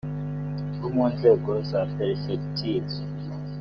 bo mu nzego za perefegitura